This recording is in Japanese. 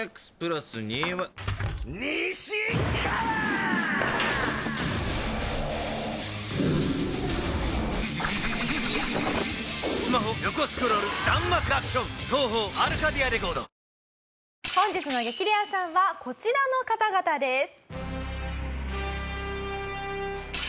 レアさんはこちらの方々です。